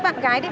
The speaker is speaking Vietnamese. bạn gái đấy